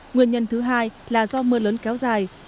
nguyên nhân thứ hai là do mưa lớn kéo dài